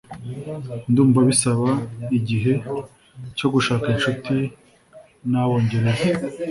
Ndumva bisaba igihe cyo gushaka inshuti nabongereza